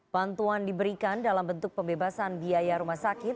bantuan diberikan dalam bentuk pembebasan biaya rumah sakit